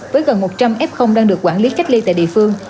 với gần một trăm linh f đang được quản lý cách ly tại địa phương